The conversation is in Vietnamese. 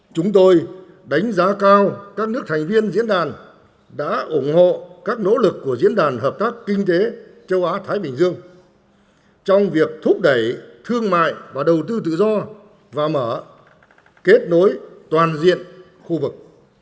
chúng tôi đánh giá cao các nước thành viên diễn đàn đã ủng hộ các nỗ lực của diễn đàn hợp tác kinh tế châu á thái bình dương trong việc thúc đẩy thương mại và đầu tư tự do và mở kết nối toàn diện khu vực